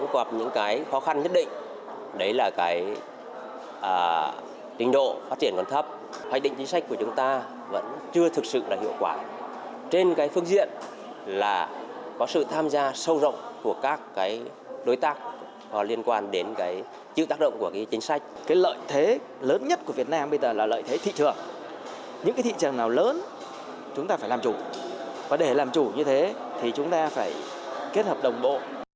chúng ta phải làm chủ và để làm chủ như thế thì chúng ta phải kết hợp đồng bộ